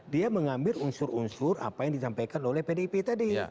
dia mengambil unsur unsur apa yang disampaikan oleh pdip tadi